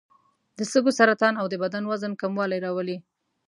د سږو سرطان او د بدن وزن کموالی راولي.